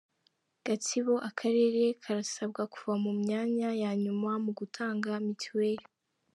Gatsibo Akarere karasabwa kuva mu myanya ya nyuma mu gutanga mitiweli